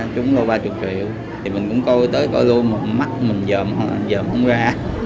trúng lô ba mươi triệu thì mình cũng coi tới coi lô mà mắt mình dờm không ra